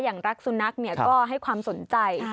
อย่างรักสุนัขก็ให้ความสนใจ